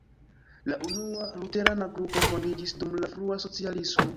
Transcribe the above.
La unua luterana grupo fondiĝis dum la frua socialismo.